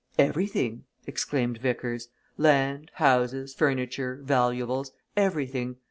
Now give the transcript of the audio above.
"Everything!" exclaimed Vickers. "Land, houses, furniture, valuables everything.